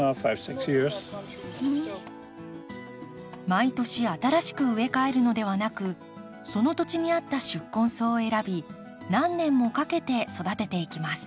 毎年新しく植え替えるのではなくその土地に合った宿根草を選び何年もかけて育てていきます。